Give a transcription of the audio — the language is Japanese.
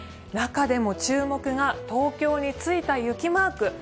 中でも注目が東京についた雪マーク。